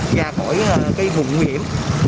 ra khỏi cái vùng nguy hiểm